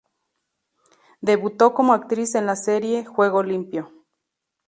Debutó como actriz en la serie "Juego limpio".